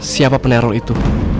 siapa peneror itu